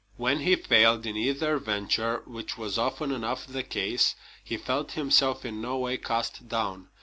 When he failed in either venture which was often enough the case he felt himself in no way cast down.